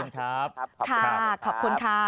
ครับขอบคุณค่ะขอบคุณค่ะ